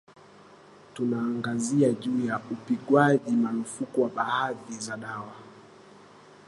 tunaangazia juu ya upigwaji marufuku wa baadhi za dawa